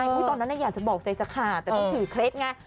ตอนนั้นอยากจะบอกใจจะขาดแต่ต้องถือเคล็ดไง